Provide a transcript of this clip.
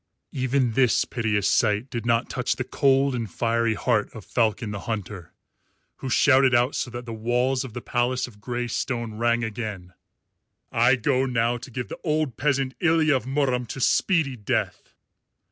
Even this piteous sight did not touch the cold and fiery heart of Falcon the Hunter, who shouted out so that the walls of the palace of grey stone rang again, "I go now to give the old peasant, Ilya of Murom, to speedy death."